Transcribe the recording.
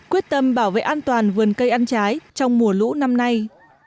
quyết tâm bảo vệ an toàn vườn cây ăn trái trong mùa lũ năm nay